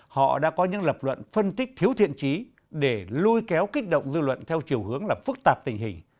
họ đã có những lập luận phân tích thiếu thiện trí để lôi kéo kích động dư luận theo chiều hướng là phức tạp tình hình